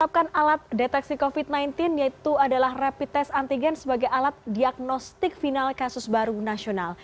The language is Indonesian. menyiapkan alat deteksi covid sembilan belas yaitu adalah rapid test antigen sebagai alat diagnostik final kasus baru nasional